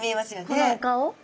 このお顔？